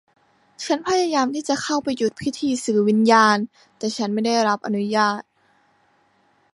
ฉันพยายามที่จะเข้าไปหยุดพิธีสื่อวิญญาณ แต่ฉันก็ไม่ได้รับอนุญาต